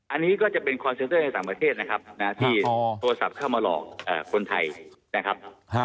อันนี้ก็จะเป็นคอนเซนเตอร์ในต่างประเทศนะครับที่โทรศัพท์เข้ามาหลอกคนไทยนะครับ